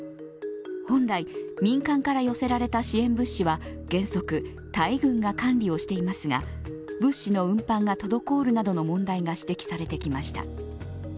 本来、民間から寄せられた支援物資は原則タイ軍が管理をしていますが物資の運搬が滞るなどの問題が指摘されてきました。